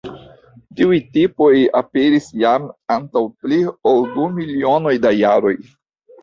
Tiuj tipoj aperis jam antaŭ pli ol du milionoj da jaroj.